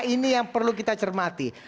ini yang perlu kita cermati